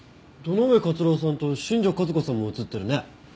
堂上克郎さんと新庄和子さんも写ってるね。